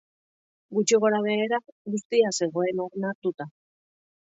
Gutxi gora-behera, guztia zegoen onartuta.